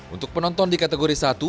untuk penonton di kategori satu